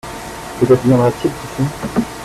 Peut-être viendra-t-il qui sait ?